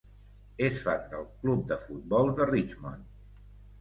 És fan del club de futbol de Richmond.